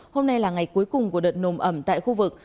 hôm nay là ngày cuối cùng của đợt nồm ẩm tại khu vực